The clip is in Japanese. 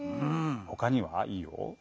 ほかには？いいよ。